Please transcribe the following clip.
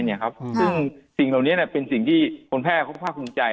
ซึ่งสิ่งเหล่านี้เป็นสิ่งที่คนแพทย์เขาภาคภูมิใจ